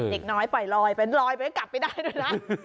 เด็กน้อยปล่อยลอยเป็นลอยไปก็กลับไม่ได้ด้วยนะ